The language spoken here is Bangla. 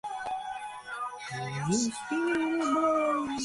তোমার মনের মধ্যে যে কী হইতেছে সে কি আর আমি জানি না!